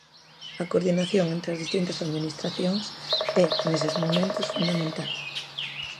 A coordinación entre as distintas administracións é neses momentos fundamental.